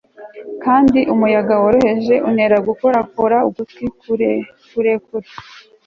kandi umuyaga woroheje untera gukorakora ugutwi kurekure